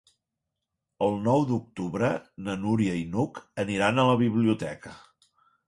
El nou d'octubre na Núria i n'Hug aniran a la biblioteca.